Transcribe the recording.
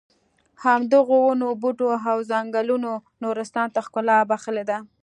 همدغو ونو بوټو او ځنګلونو نورستان ته ښکلا بښلې ده.